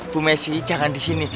bu messi jangan di sini